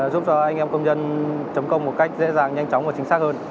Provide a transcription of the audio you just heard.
giúp cho anh em công nhân chấm công một cách dễ dàng nhanh chóng và chính xác hơn